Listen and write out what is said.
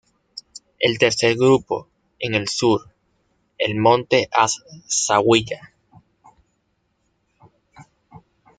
El tercer grupo, en el sur, el Monte az-Zawiya.